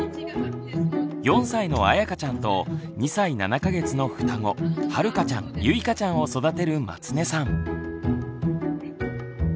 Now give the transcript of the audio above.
４歳のあやかちゃんと２歳７か月の双子はるかちゃんゆいかちゃんを育てる松根さん。